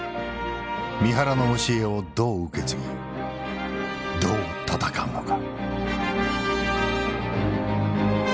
三原の教えをどう受け継ぎどう戦うのか。